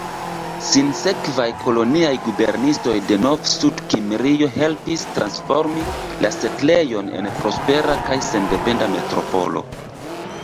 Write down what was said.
Sinsekvaj koloniaj guberniestroj de Novsudkimrio helpis transformi la setlejon en prospera kaj sendependa metropolo.